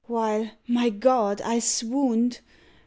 while.... my God! I swooned!...